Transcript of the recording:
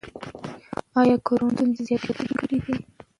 ایا کورونا ستونزې زیاتې کړي دي؟